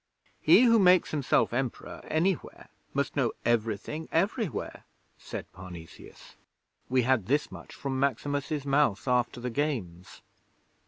'He who makes himself Emperor anywhere must know everything, everywhere,' said Parnesius. 'We had this much from Maximus's mouth after the Games.'